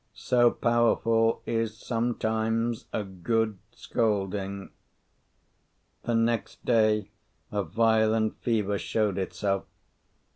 So powerful is sometimes a good scolding! The next day a violent fever showed itself.